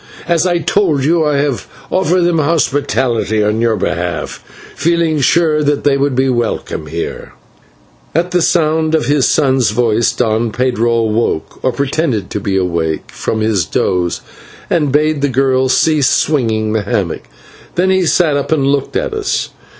As I told you, I have offered them hospitality on your behalf, feeling sure that they would be welcome here." At the sound of his son's voice Don Pedro awoke, or pretended to awake, from his doze, and bade the girl cease swinging the hammock. Then he sat up and looked at us.